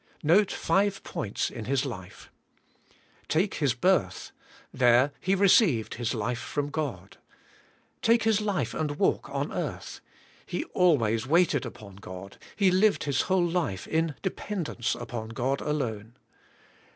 Note five points in His life. CHRIST LIVETH IN me;. 145 Take His birth. There He received His life from God. Take His life aiid walk on earth. He always waited upon God, He lived His whole life in de pendence upon God alone.